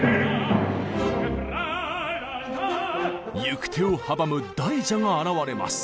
行く手を阻む大蛇が現れます。